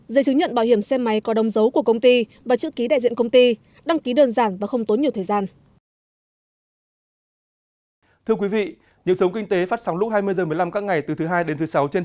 giấy chứng nhận bảo hiểm xe máy có đông dấu của công ty và chữ ký đại diện công ty đăng ký đơn giản và không tốn nhiều thời gian